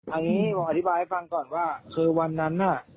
อันนี้ผมอธิบายให้ฟังก่อนว่าคือวันนั้นน่ะ